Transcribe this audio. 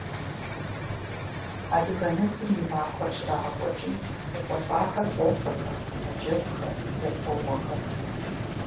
Адыгэ ныпым и махуэр щрагъэкӏуэкӏым къекӏуэлӏахэр къофэхэр, мэджэгухэр, зэпоуэхэр.